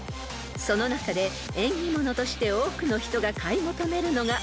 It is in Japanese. ［その中で縁起物として多くの人が買い求めるのが］